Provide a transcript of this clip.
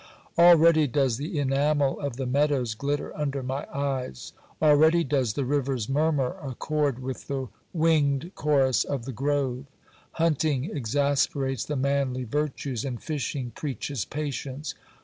Already does the enamel of the meadows glitter under my eyes ; already does the river's murmur accord with the winged chorus of the grove : hunting exasperates the manly virtues, and fishing preaches patience.